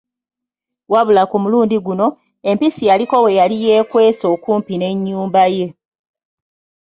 Wabula ku mulundi guno, empisi yaliko weyali y'ekwese okumpi n'enyumba ye.